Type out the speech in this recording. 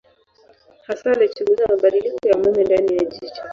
Hasa alichunguza mabadiliko ya umeme ndani ya jicho.